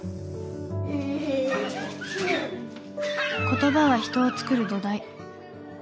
言葉は人をつくる土台。